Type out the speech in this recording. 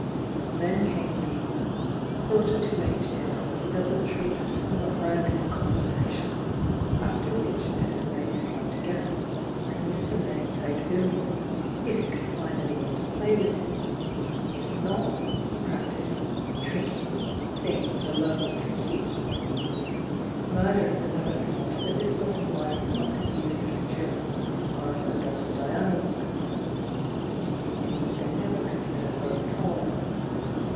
Then came the "quarter to eight" dinner with desuU ,iy and somewhat wrangling conversation, after which Mrs. May slept again, and Mr. May played billiards, if he could find anyone to play with him,— if not, he practised "tricky" things alone with the cue. Neith er of them ever thought that this sort of life was not conducive to cheerfulness so far as their daugh ter Diana was concerned, — indeed they never con sidered her at all.